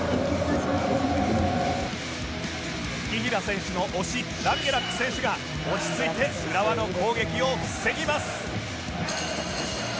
紀平選手の推しランゲラック選手が落ち着いて浦和の攻撃を防ぎます